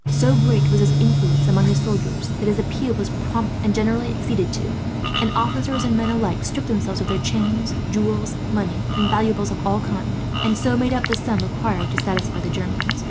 So great was his influence among his soldiers that his appeal was promptly and generally acceded to, and officers and men alike stripped themselves of their chains, jewels, money, and valuables of all kinds, and so made up the sum required to satisfy the Germans.